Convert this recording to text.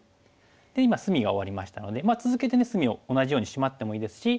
今隅が終わりましたので続けてね隅を同じようにシマってもいいですし。